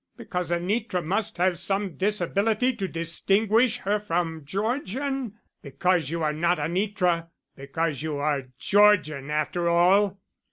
Because Anitra must have some disability to distinguish her from Georgian? Because you are not Anitra? Because you are Georgian after all?"